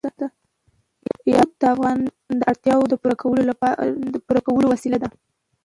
یاقوت د افغانانو د اړتیاوو د پوره کولو وسیله ده.